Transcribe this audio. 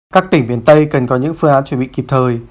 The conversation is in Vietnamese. các tỉnh biển tây cần có những phương án chuẩn bị kịp thời